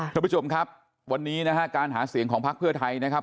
ท่านผู้ชมครับวันนี้นะฮะการหาเสียงของพักเพื่อไทยนะครับ